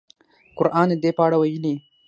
قران د دې په اړه ویلي.